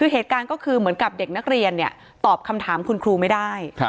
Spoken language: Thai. เหตุการณ์ก็คือเหมือนกับเด็กนักเรียนตอบคำถามคุณครูไม่ได้